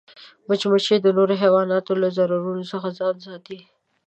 مچمچۍ د نورو حیواناتو له ضررونو ځان ساتي